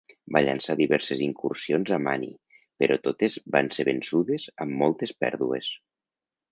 Van llançar diverses incursions a Mani, però totes van ser vençudes amb moltes pèrdues.